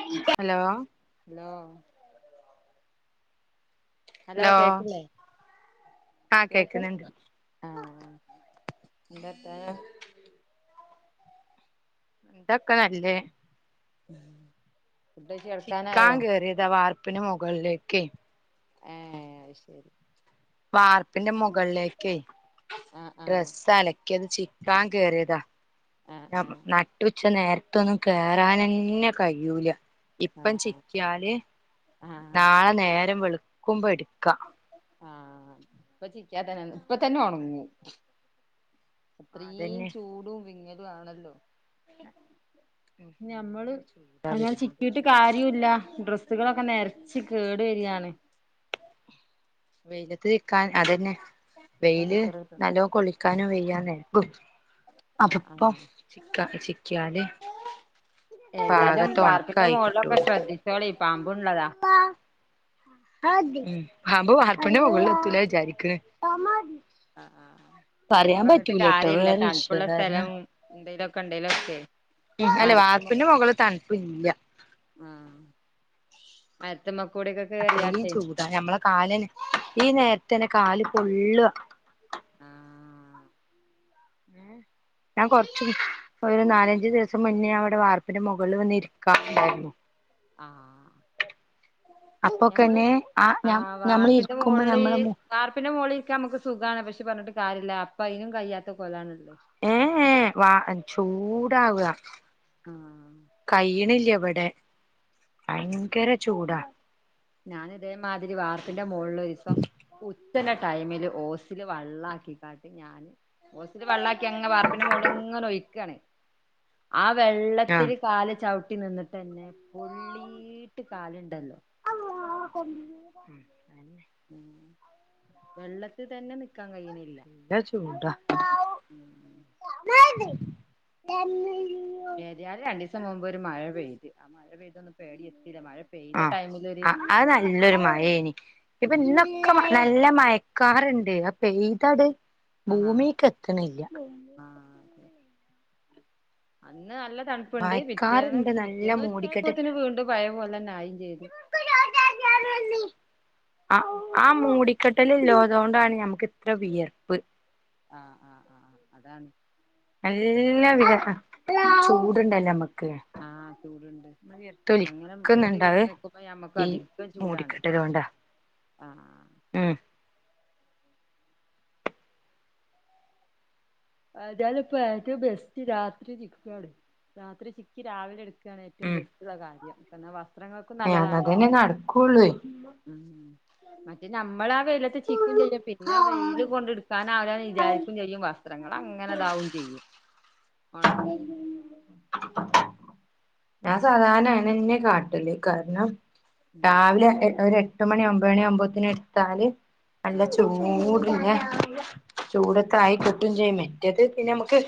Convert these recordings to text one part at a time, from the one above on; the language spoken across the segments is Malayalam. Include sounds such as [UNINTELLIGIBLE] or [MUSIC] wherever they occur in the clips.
ഉം ഹലോ ഹലോ ഹലോ കേക്കില്ലേ ആ കേക്കും കേക്കുന്നുണ്ട് ആഹ് എന്തർത്താനം എന്താ ഒക്കെ നല്ലേ ഉം ചിക്കാൻ കേറിയതാ വാർപ്പിന് മുകളിലേക്ക്. ഏഹ് അയ്ശരി വാർപ്പിന്റെ മുകളിലേക്ക് ആഹ് ആഹ് ഡ്രസ് അലക് ക്കിയത് ചിക്കാൻ കേറിയതാ ആഹ് ഞ ആഹ് നട്ടു ച്ച നേരത്തൊന്നും കേയറാനെന്നെ കയ്യൂല. ഇപ്പം ചിക്കിയാല് ആഹ് ആഹ് നാളെ നേരം വെളുക്കുമ്പോ എടുക്ക ആഹ് ഇപ്പൊ ചിക്ക്യാ തന്നെ പ്പ തന്നെ ഒണങ്ങും. അത്രീം അതന്നെ ചൂടും വിങ്ങലു ആണല്ലോ? നല്ല ഞമ്മള് ചൂടാ അങ്ങനെ വെയിലിന്റെ ചിക്കിട്ട് ചൂ കാര്യുല്ല ഡ്രസ്സുകള് ഒക്കെ നെരച്ച് കേടു വെരിയാണ് വെയിലത്ത് ചിക്കാൻ അതന്നെ വെയില് നിക്കറ് ഇട്ടോട്ടെ നല്ലോ കൊളിക്കാനോ വെയ്യാന്നെ ആഹ് അപപ്പം ആഹ് ചിക്ക ചിക്കിയാല് ഏതിയാലും പാകത്തെ വാർപ്പിന്റെ ഒണക്കായി മോളില് ഒക്കെ കിട്ടുള്ളൂ ശ്രദ്ധിച്ചോളി പാമ്പ് ഉള്ളതാ ഉം പാമ്പ് വാർപ്പിന്റെ മൊകളില് എത്തുല വിചാരിക്ക്ണ് ആഹ് ആഹ് ആഹ് അങ്ങനെ പറഞ്ഞിട്ട് കാര്യല്ല വേറെ തണുപ്പുള്ള വിഷയം സ്ഥലം കാരണം എന്തേലും ഒക്കെ ഇണ്ടേലൊക്കെ ഉം അല്ല വാർപ്പിന്റെ മൊകളിൽ തണുപ്പ് ഇല്ല ഉം മരത്ത് മ്മേക്കൂടിയൊക്കെ കേറിയാട്ടെ ഞമ്മള കാലൻ ഈ നേരത്ത് തന്നെ കാല് പൊള്ളുവാ ആഹ് ഏഹ് ഞാൻ കൊറച്ചുണ് ഒരു നാലഞ്ചു ദിവസം മുന്നേ അവിടെ വാർപ്പിന്റെ മൊകളിൽ വന്ന് ഇരിക്കാറ് ഒണ്ടായിരുന്നു ആഹ് ഞമ്മള് അപ്പൊക്കെന്നെ ആ ആഹ് ഞമ്മൾ വാർപ്പിന്റെ ഇരിക്കുമ്പോ മോളിൽ ഞമ്മളെ മു വാർപ്പിന്റെ മോളിരിക്കാൻ അമ്മക്ക് സുഖാണ് പക്ഷേ പറഞ്ഞിട്ട് കാര്യല്ല അപ്പ അയിനും കയ്യാത്ത കോലാണ് ഇള്ളത് ഏഹ് ഏഹ് വാ ചൂടാവുക ആഹ് കയ്യ്ണില്ല ഇവടെ ഭയങ്കര ചൂടാ ഞാൻ ഇതേമാതിരി വാർപ്പിന്റെ മൊളിൽ ഒരു ദിവസം ഉ ച്ചന്റെ ടൈമില് ഓസില് വള്ളാക്കികാട്ട് ഞാൻ ഓസില് വെള്ളാക്കി അങ്ങനെ വാർപ്പിന്റെ മോളില് ഇങ്ങനെ ഒഴിക്കാണ് ആ ആഹ് വെള്ളത്തിൽ കാല് ചവിട്ടി നിന്നിട്ട് തന്നെ പൊള്ളീട്ട് കാലുണ്ടല്ലോ [INAUDIBLE] ഉം വെള്ളത്തിൽ തന്നെ നിക്കാൻ കഴിയിണില്ല നല്ല ചൂടാ ഉം ഏതിയാലും രണ്ടീസം മുമ്പ് ഒരു മഴ പെയ്ത് ആ മഴ പെയ്ത് ഇതൊന്നും പ്പേടിം എത്തിയില്ല മഴ പെയ്ത ആഹ് ടൈമില് ഒരു ആഹ് അത് നല്ലൊരു മഴേനി ഇപ്പൊ ഉം ഇന്നൊക്കെ നല്ല മയക്കാറ്ണ്ട് അത് പെയ്തട് ഭൂമീക്ക് എത്ത്ണില്ല ആഹ് അന്ന് നല്ല തണുപ്പുണ്ട് പിറ്റേന്ന് മയക്കാറുണ്ട് നല്ല പിറ്റേന്ന് മൂടിക്കെട്ട് ഉച്ചയപ്പോത്തില് വീണ്ടും പഴയ പോലെന്നെ ആയിം ചെയ്ത് ആഹ് ആഹ് മൂടി കെടല്ള്ളതോണ്ടാണ് ഞമ്മക്ക് ഇത്ര വിയർപ്പ് ആഹ് ആഹ് ആഹ് അതാണ് നല്ല വിയർപ്പ ചൂടുണ്ടല്ലോ ഞമ്മക്ക് ആഹ് ചൂടുണ്ട് അങ്ങനെ മൂടി വിയർത്തൊലിക്കുന്നുണ്ട് അത് കെട്ടി നിക്കുമ്പോ ഞമ്മക്ക് ഈ അധികം ചൂടാണ് മൂടിക്കെട്ടലോണ്ടാ ആഹ് ഉം ഏതാലും ഇപ്പ ഏറ്റവും ബെസ്റ്റ് രാത്രി ചിക്കാണ് രാത്രി ചിക്കി രാവിലെ എടുക്ക ഇതാണ് ഏറ്റവും ഉം ബെസ്റ്റുള്ള കാര്യം എന്നാ വസ്ത്രങ്ങൾക്കും നല്ലതാണ് അതന്നെ നടക്കുള്ളൂ ഉ മറ്റേ നമ്മള ആ വെയിലത്ത് ചിക്കും ചെയ്യണ് പിന്നെ വെയില് കൊണ്ടടു കാരണം അവനോന് വിചാരിക്കും ചെയ്യും വസ്ത്രങ്ങൾ അങ്ങനെതാവും ചെയ്യും ഒണങ്ങി ഞാൻ സാധാരണ അയിന് അന്നെ കാട്ടല് കാരണം ഉം രാവിലെ ഒരു എട്ടുമണി ഒമ്പത് മണി അവമ്പന്തേനും എടുത്താൽ നല്ല ആഹ് ചൂ ഊട്രീന് ചൂടത്ത് ആയി കിട്ടയും ചെയ്യും മറ്റേത് പിന്നെ ഞമ്മക്ക്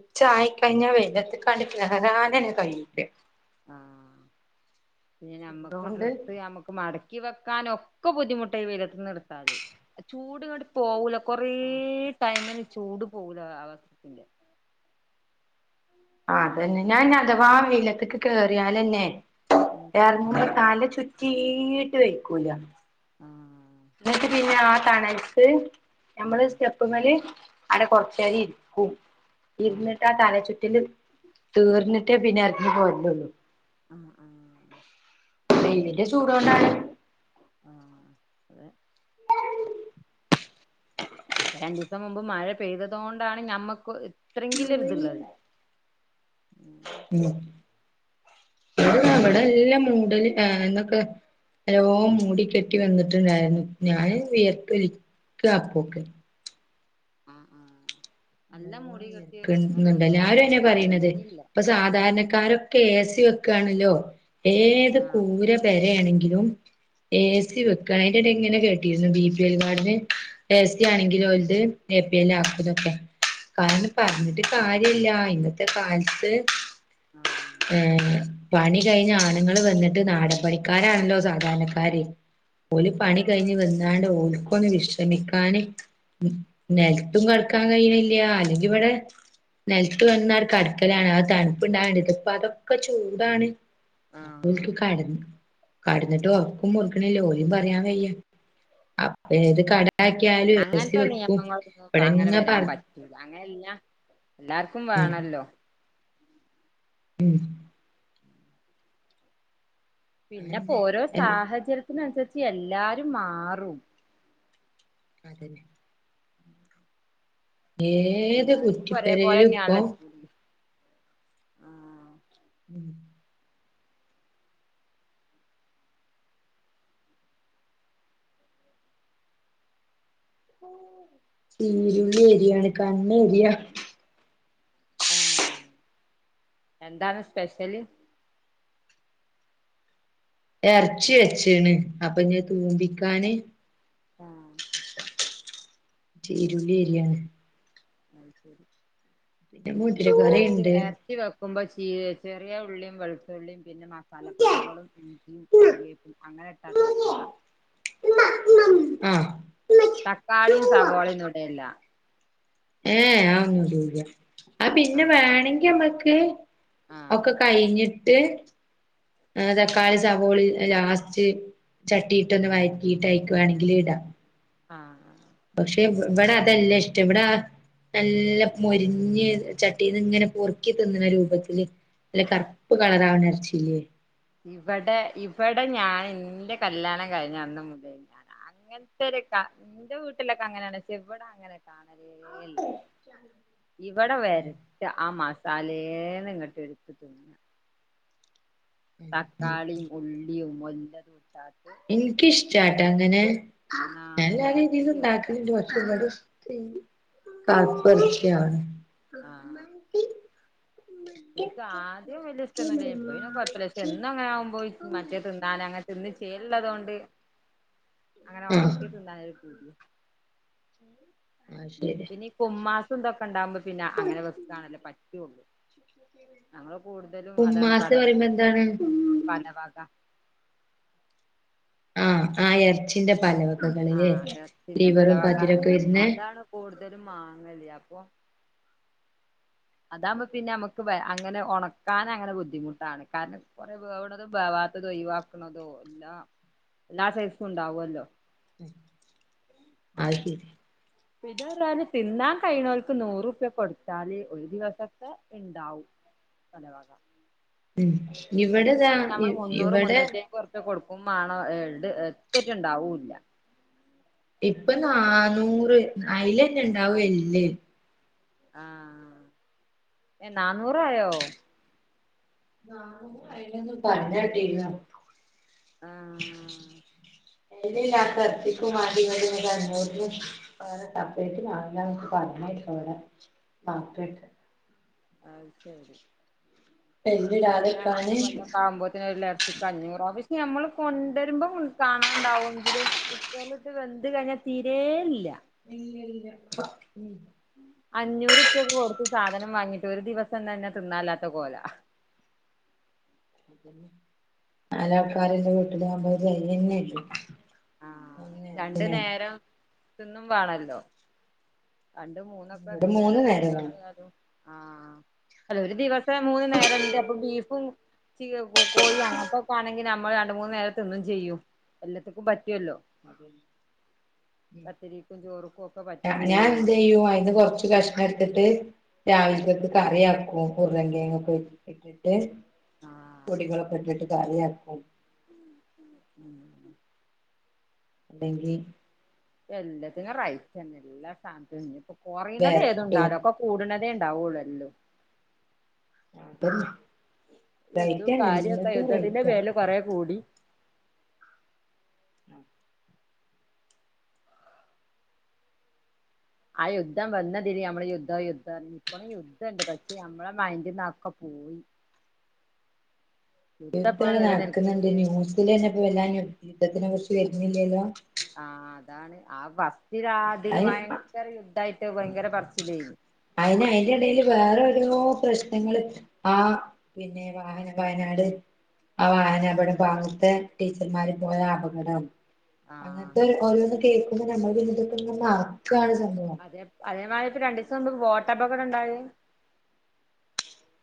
ഉച്ച ആയിക്കഴിഞ്ഞാൽ വെല്ലാത്തക്കാണ്ട് കേറാനന്നേ കഴിയൂല്ല ആഹ പിന്നെ ഞമ്മക്ക് ചൂടോണ്ട് ഡ്രസ്സ് ഞമ്മക്ക് മാട ക്കി വെക്കാന ഒക്കെ ബുദ്ധിമുട്ട് ഈ വെയിലത്തിന്ന് എടുത്താല് ചൂട് അങ്ങാട് പോകുല കൊറേ ടൈമിന് ചൂട് പോകല അവസ്ഥത്തില്ല ആ ഉം അതന്നെ ഞാൻ അഥവാ ഉം വെയിലത്തേക്ക് കേറിയാല അന്നെ ഉം എറങ്ങി തല ചുറ്റ ചീട്ട് വെക്കൂല ആഹ് ഇന്നിട്ട് പിന്നാ തണലത്ത് നമ്മള് ആഹ് സ്റ്റെ- പ്പ്മ്മേല് അവിടെ കൊറച്ചേരം ഇരിക്കും ആഹ് ഇരുന്നിട്ടാ തല ചുറ്റില് തീർന്നിട്ടേ പിന്നെ എറങ്ങിപ്പോരലുള്ളൂ ആഹ് ആഹ് വെയിലിന്റെ ചൂടോണ്ടാണ് ആഹ് അതെ മ് രണ്ട്സം മുമ്പ് മഴ പെയ്തതോണ്ടാണ് ഞമ്മക്ക് ഇത്രയെങ്കിലും ഒരിത്ള്ളത് മ് ഇവിടെല്ലാം മൂടല് ഇന്നൊക്കെ നല്ലോം മൂടിക്കെട്ടി വന്നിട്ട്ണ്ടായിരുന്നു ഞാന് വിയർത്തൊലിക്കാപ്പൊക്കെ ആഹ് നല്ല നല്ലോണം മൂടിക്കെട്ടി വിയർക്കുന്നുണ്ട് വന്നതാന്ന് മഴ പക്ഷെ പെയ്തില്ല സാധാരക്കാരൊക്കെ എ സി വെക്കാണല്ലോ ഏത് ആഹ് കൂര പെരയാണെങ്കിലും എ സി വെക്കാ അയിന്റെടയിൽ ഇങ്ങനെ കേട്ടിരുന്നു ബി പി എൽ കാർഡിന് എസി ആണെങ്കിലും ഓൽടത് എപിഎൽ ആക്കുന്നൊക്കെ കാരണം ആഹ് പറഞ്ഞിട്ട് ആഹ് കാര്യില്ല ഇന്നത്തെ കാലത്ത് ആഹ് ഏഹ് പണി കഴിഞ്ഞാണങ്ങള് വന്നിട്ട് നാടൻ പണിക്കാരാണല്ലോ സാധാരണക്കാര് ഓല് പണി ആഹ് കഴിഞ്ഞ് അതെ വന്നാണ്ട് ഓല്ക്കൊന്ന് വിശ് റമിക്കാന് നെലത്തും കെടക്കാൻ കയ്യ്ണില്ല അല്ലെങ്കിവടെ നെലത്ത് വന്ന്ങ്ങാണ്ട് കടക്കലാണ് ആഹ് തണ്പ്പ്ണ്ടാക്ണ്ട് ഇപ്പതൊക്കെ ചൂടാണ് ആഹ് അപ്പോൽക്ക് കെടന്ന് കെടന്ന്ട്ട് ഒറക്കും പൊറ്ക്ക്ണില്ല ഓലയും പറയാൻ വയ്യ അപ്പെണീറ്റ്ട്ട് കടൊ ക്കെയായാലും എ സി അങ്ങനത്തെ വെക്കും നിയമങ്ങളൊന്നും അങ്ങനെ ഇവിടെങ്ങ് വരാൻ പറ അങ്ങനെല്ല എല്ലാർക്കും ഉം വേണല്ലോ മ് അതന്നെ പിന്നെപ്പോരോ സാഹചര്യത്തിനനുസരിച്ച് എല്ലാരും മാറും അതെന്നെ ഏത് എല്ലാർക്കും ഇപ്പൊ കുറ്റിപ്പെരയിലുപ്പൊ ഒരേപോലെന്നെയാണല്ലോ ചൂട് ആഹ് മ് ഊ ചിരുള്ളേരിയാണ് കണ്ണേരിയ ആഹ് എന്താണ് സ്പെഷ്യല് എർച്ചി വെച്ചിണ് അപ്പഞ്ഞ് തൂമ്പിക്കാന് ആഹ് ചീരുള്ളി എരിയാണ് അഹ്ശെരി പിന്നെ ഉം മുതിര ഇങ്ങള് എർച്ചി കറിണ്ട് എർ ച്ചി വെക്കുമ്പം ച്ചി ചെറിയ ഉള്ളിം വെളുത്തുള്ളിം പിന്നെ മസാല പൊടികളും ഉം ഞ്ചിയും കരിവേപ്പും അങ്ങനെ ഇട്ടാട്ട് വെക്കലാ? ആഹ് തക്കാളിം സവോളിന്ന് ഇടേല്ല. ഏഹ് അതൊന്നു ഇടൂല്ല അഹ് പിന്നെ ആഹ് വേണെങ്കി നമ്മക്ക് ആഹ് ഒക്കെ കഴിഞ്ഞിട്ട് ഏഹ് തക്കാളിം സവോളിം ലാസ്റ്റ് ചട്ടീട്ടൊന്ന് വഴക്കിയിട്ട് അയിക്ക് വേണെങ്കില്ടാ ആഹ് പക്ഷേ ഇവ ഇവടതല്ല ഇഷ്ടം ഇവടാ നല്ല മൊരിഞ്ഞ് ചട്ടീന്ന്ങ്ങനെ പൊറുക്കി തിന്ന്ണ രൂപത്തില് നല്ല കർപ്പ് കളറാവണ എറച്ചിയില്ലേ. ഇവടെ ഇവടെ ഞാൻ ഇന്റെ കല്യാണം കഴിഞ്ഞന്ന് മുതൽ ഞാനാ അങ്ങനത്തൊരു കാ ഇന്റെ വീട്ടിലൊക്കെ അങ്ങനാണ് പക്ഷേ ഇവടെ അങ്ങനെ കാണലേ ഇല്ല ഇവടെ വെര [UNINTELLIGIBLE] ആഹ് മസാലേന്ന് ഇങ്ങട്ട് ഇട്ത്ത് തിന്ന. തക്കാളിം ഉള്ളിം മൊല്ലതുട്ടാട്ട് എനിക്കിഷ്ടാട്ടോ അങ്ങനെ ഞാൻ നന്നാക്കി എല്ലാ രീതിയിലും വരട്ടി വെക്ക ഇണ്ടാക്കല്ണ്ട് പക്ഷെ ഇവടെ ഇഷ് കർപ്പർച്ചിയാ ആഹ് ഇൻക്ക് ആദ്യം വെല്യ ഇഷ്ടംന്നുല്ലേനി ഇപ്പ പിന്നെ കൊഴപ്പല്ല ഇഷ് എന്നും അങ്ങനെ ആകുമ്പോയി മറ്റേ തിന്നാന അങ്ങനെ തിന്ന് ചേല്ള്ളതോണ്ട് അങ്ങനെ ആഹ് ഒണക്കി തിന്നാനൊരു പൂതി. അഹ് ശെ പിന്നെ ഇപ്പോ ഉമ്മാക്ക് ഇതൊക്കെ ഇണ്ടാവുമ്പോ പിന്നെ അങ്ങനെ വെക്കാണല്ലൊ പറ്റൊള്ളു. ഞങ്ങള് കൂടുതലും അതാണ് ഉമ്മാസ് പറയ പറയുമ്പോ എന്താണ് പലവക ആഹ് ആഹ് എർച്ചിന്റെ പലവകകള് ലേ ആഹ് ഇറച്ചിന്റെ ലിവറും പലവക പതിരൊക്കെ വരുന്നേ? അതാണ് കൂടുതലും മാങ്ങല്ലെ അപ്പൊ അതാവുമ്പോ പിന്നെ നമുക്ക് [UNINTELLIGIBLE] അങ്ങനെ ഒണക്കാനങ്ങനെ ബുദ്ധിമുട്ടാണ് കാരണം കൊറെ വേവണതും വേവാ ത്തതും ഒഴിവാക്ക്ണതും എല്ലാ എല്ലാ സൈസും ഉണ്ടാവല്ലോ. അഹ്ശെരി പിന്നെ ർഞ്ഞാല് തിന്നാൻ കഴിണോൽക്ക് നൂറു രൂപ കൊടുത്താല് ഒരു ദിവസത്തെ ഇണ്ടാവും പലവക ഉം ഇവടെതാ ഇ ഇവടെ കൊർച്ച് കൊടുക്കും മാണോ [UNINTELLIGIBLE] എത്തെറ്റേ ഇണ്ടാവൂല്ല. ഇപ്പൊ നാന്നൂറ് അയിലെന്നെ ഇണ്ടാവും എല്ല് ആഹ് ഏഹ് നാന്നൂറായോ? നാന്നൂറ് ആയിണ്ന്ന് പർഞ്ഞേട്ടിന്നു. ആഹ് എല്ലില്ലാത്ത എറച്ചിക്കും വാണ്ടി [UNINTELLIGIBLE] അഞ്ഞൂറിന് വേറെ സെപ്പറേറ്റ് വാങ്ങാന്നൊക്കെ പറഞ്ഞേട്ട് അവടെ മാത്രായിട്ട്. അഹ് ശരി ഇന്നാ പിന്നെ അടുത്ത എല്ലിടാതെക്കാന് കൊല്ലക്കെ ആവുമ്പോത്തിന് ഒരു [UNINTELLIGIBLE] ക്കഞ്ഞൂറ പക്ഷെ ഞമ്മള് കൊണ്ടെരുമ്പോം കാണാണ്ടാവെങ്കിലും കുക്കറിലിട്ട് വെന്ത് കഴിഞ്ഞാൽ തീരേ ഇല്ല ഇല്ല ഇല്ല അഞ്ഞൂറുപ്യൊക്കെ കൊടുത്ത് സാധനം വാങ്ങിട്ട് ഒരു ദിവസം തന്നെ തിന്നാല്ലാത്ത കോല നാല് ആൾക്കാര്ള്ള വീട്ടിലാമ്പോ അത്‌ തെകയെന്നെ ഇല്ല ആഹ് രണ്ടു നേരം തിന്നും വേണല്ലോ രണ്ടും മൂന്നൊക്കെ ഇവിടെ മൂന്ന് നേരം വേണം പേരകുട്ടിയേളുള്ളതും ആഹ് അല്ല ഒരു ദിവസം ഇത്ര മൂന്ന് നേരം ഇണ്ട് അപ്പൊ ബീഫും കോയിം അങ്ങനത്തെക്കെ ആണെങ്കിൽ ഞമ്മൾ രണ്ടും മൂന്നും നേരം തിന്നും ചെയ്യും എല്ലത്ത്ക്കും പറ്റുല്ലോ അതെ പത്തിരിക്കും ചോറുക്കും ഒക്കെ പറ്റും ആഹ് ചെയ്യും ഞാനെന്ത് ചെയ്യും അയിന്ന് കൊറച്ച് കഷ എടുത്തിട്ട് രാവിലത്തേക്ക് കറിയാക്കും ഉരുളൻ കിഴങ്ങൊക്കെ ഇട്ടിട്ട് ആഹ് പൊടികളൊക്കെ ഇട്ടിട്ട് കറിയാക്കും ഉം ഉം അല്ലെങ്കിൽ എല്ലാത്തിനും റൈറ്റാണ് എല്ലാ സാനത്തിനും ഇഞ്ഞി ഇപ്പൊ കൊറയ്ണത് വരട്ടും ഏതുണ്ടാവൂല കൂട്ണതേ ഇണ്ടാവൊള്ളൂ എല്ലോം അതന്നെ യുദ്ധവും റൈറ്റാണ് കാര്യൊക്കെ എല്ലാത്തിനും യുദ്ധത്തിന്റെ റൈറ്റാ പേരില് കൊറേ കൂടി ആഹ് യുദ്ധം വന്നതില് നമ്മള് യുദ്ധം യുദ്ധം ഇപ്പളും യുദ്ധണ്ട് പക്ഷെ നമ്മളെ മൈന്റിന്നതൊക്കെ പോയി യുദ്ധം ഇപ്പളും യുദ്ധവടെ നടക്കുന്നുണ്ട് നിലനിൽക്ക്ണ്ട് ന്യൂസിലെന്നെ ഇപ്പൊ വല്ലാന്നും യുദ്ധത്തിനെ കുറിച്ച് വരുന്നില്ലല്ലോ ആഹ് അതാണ് ആഹ് ഫസ്റ്റില് ആതില് അയിന് ഭയങ്കര യുദ്ധായിട്ട് ഭയങ്കര പറച്ചിലായിരുന്നു അയ്ന് അയ്യ്ൻ്റെടേൽ വേറോരോ പ്രശ്നങ്ങൾ ആഹ് പിന്നെ വാഹന പയനാട് ആ വാഹനപകടം ഈ ഭാഗത്തെ ടീച്ചർമാര് പോയ അപകടം ആണ് ആ അങ്ങന് ത്തെ ഓരോന്ന് കേക്കുമ്പോ നമ്മൾ പിന്നെതെക്കെങ്ങ് മറ്ക്കാണ് സംഭവം അതെ അതേമായ്ക്ക് രണ്ടീസം മുമ്പ് ബോട്ടപകടണ്ടായി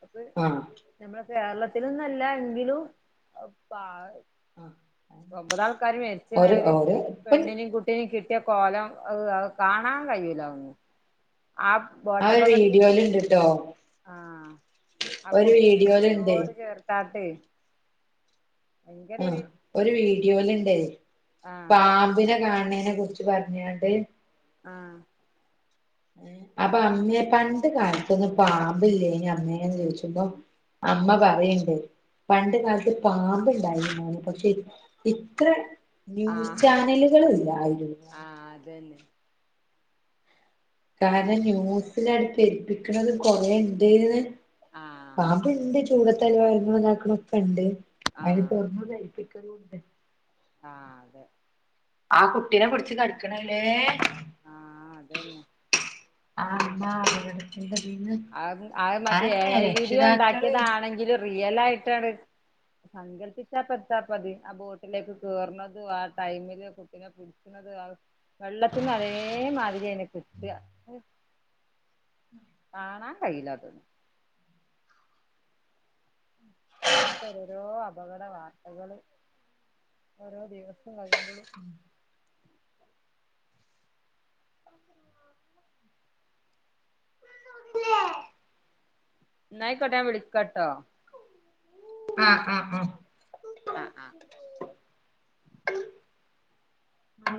അത് ആഹ് നമ്മളെ കേരളത്തിലൊന്നല്ല എങ്കിലും ആഹ് ഒമ്പതാൾക്കാര് മരിച്ച്ണ് ഓര് അയിൽ ഓര് ഇപ്പ പെണ്ണിനേം കുട്ടിനിം കിട്ട്യ കോലം അത് കാണാൻ കഴിയൂല ഒന്നും ആ ആ ഒരു ബോട്ടപകട്ത്ത്ത്തെ വീഡിയോല്ണ്ട്ട്ടോ ആഹ് ആ ഒരു കുട്ടീനെ വീഡിയോല്ണ്ട് നെഞ്ചോട് ചേർത്താട്ടേ ആഹ് ഒരു വീഡിയോല്ണ്ടേ ആഹ് പാമ്പിനെ കാണ് ണേനെ കുറ് ച്ച് പറ്ഞ്ഞാണ്ട് ആഹ് അപ്പമ്മ്യേ പണ്ട് കാലത്തൊന്നും പാമ്പില്ലേന്യൊ അമ്മേന്ന് ചോയ്ച്ചുമ്പം അമ്മ പറിയിണ്ട് പണ്ട് കാല്ത്ത് പാമ്പ് ഇണ്ടായിര്ന്ന് പക്ഷെ ഇത്ര ന്യൂസ് ആഹ് ചാനലുകള് ഇല്ലായ്രുന്നു ആഹ് അതന്നെ കാര്ണം ന്യൂസ് ലണ്ട് പെര്പ്പിക്ക്ണെത് കൊറേണ്ട്ന്ന് ആഹ് പാമ്പ്ണ്ട് ചൂടത്തെല്ലോം എർങ്ങ്ണും ഇതാക്ക്ണൊക്കെണ്ട് അയ്ന് ആഹ് തൊറ്ന്നു കയ്പ്പിക്കലൂണ്ട് ആഹ് അതെ ആ കുട്ടീനെ പിട്ച്ച് കട്ക്കണല്ലേ ആഹ് അതന്നെ ആഹ് ഇമ്മാർഞ്ഞ്ക്ക്ണ് എന്താ പിന്നെ ആഹ് അത് മറ്റേ ഏഐ വീഡിയോ ഇണ്ടാക്ക്യതാണെങ്കിലും റിയലായ്ട്ടാണ് സങ്കല്പ്പിച്ചാപ്പെത്താപത് ആ ബോട്ട്ലേക്ക് കേറ്ണതും ആ ടൈമില് കുട്ടിനെ ഇട്ക്ക്ണത് ആഹ് വെള്ളത്ത്ന്ന് അതേമാതിര്യയ്നെ കിട്ടാ കാണാൻ കയ്യില അത് ങ്ങനത്തൊരോരോ അപകട വാർത്തകൾ ഓരോ ദിവസം കഴിയുമ്പൊളും ഉം ല്ലേ ന്നായ്ക്കോട്ടെ ഞാൻ വിളിക്കട്ടോ ആഹ് ആഹ് ആഹ് ആഹ് ആഹ് ആ